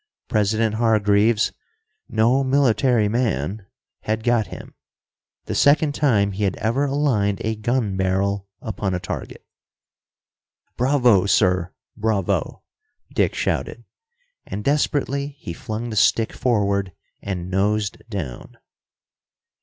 President Hargreaves, "no military man," had got him, the second time he had ever aligned a gun barrel upon a target. "Bravo, sir, bravo!" Dick shouted. And desperately he flung the stick forward and nosed down.